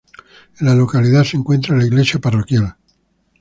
En la localidad se encuentra la iglesia parroquial.